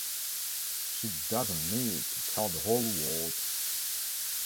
She doesn't need to tell the whole world.